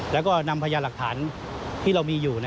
แล้วก็นำพยาหลักฐานที่เรามีอยู่